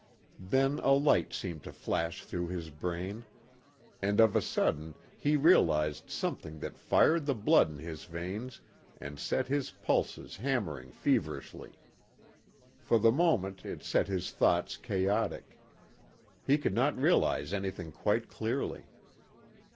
Then a light seemed to flash through his brain, and of a sudden he realized something that fired the blood in his veins and set his pulses hammering feverishly. For the moment it set his thoughts chaotic; he could not realize anything quite clearly.